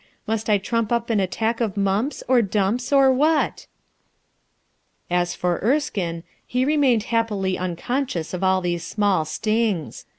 MustI bZ! up an attack of mumps, or dumps, or^haU^ As for Erskine, he remained happily uneon scious of all these small stings.